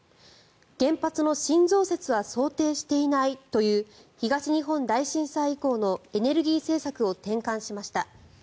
原発の新増設は想定していないという東日本大震災以降のエネルギー政策を転換しました。